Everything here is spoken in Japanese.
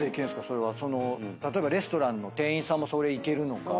それは例えばレストランの店員さんもそれいけるのか。